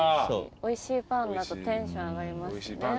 おいしいパンだとテンション上がりますよね。